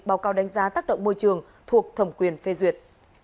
môi trường thuộc thẩm quyền phê duyệt